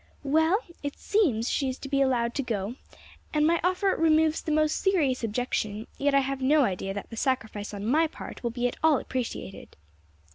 "Well; it seems she is to be allowed to go, and my offer removes the most serious objection; yet I have no idea that the sacrifice on my part will be at all appreciated."